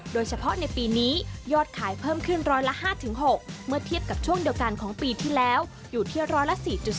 โดยเฉพาะในปีนี้ยอดขายเพิ่มขึ้นร้อยละ๕๖เมื่อเทียบกับช่วงเดียวกันของปีที่แล้วอยู่ที่ร้อยละ๔๔